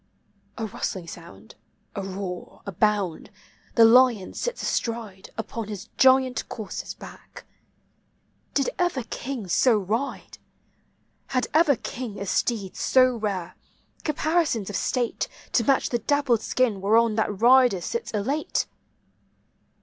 A rustling sound, a roar, a bound, — the lion sits astride Upon his giant courser's back. Did ever king so ride? Had ever king a steed so rare, caparisons of state To match the dappled skin whereon that rider sits elate?